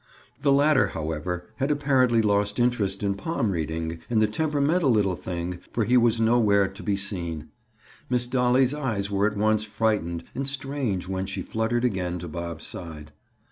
The latter, however, had apparently lost interest in palm reading and the temperamental little thing, for he was nowhere to be seen. Miss Dolly's eyes were at once frightened and strange when she fluttered again to Bob's side.